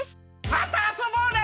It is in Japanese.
またあそぼうね！